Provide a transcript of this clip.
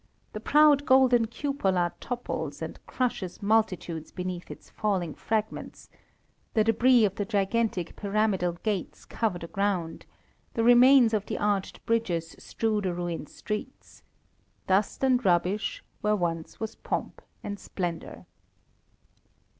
The proud golden cupola topples, and crushes multitudes beneath its falling fragments; the débris of the gigantic pyramidal gates cover the ground; the remains of the arched bridges strew the ruined streets. Dust and rubbish where once was pomp and splendour.